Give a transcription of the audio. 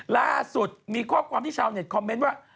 ล่าสุดมีข้อความที่ชาวเน็ตคอมเมนต์ว่า